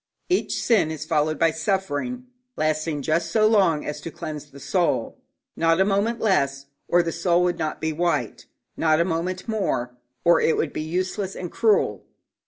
Each sin is followed by suffering, lasting just so long as to cleanse the soul not a moment less, or the soul would not be white; not a moment more, or it would be useless and cruel.